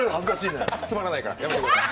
つまらないからやめてください。